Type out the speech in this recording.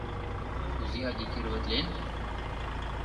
— Кузе агитироватлен?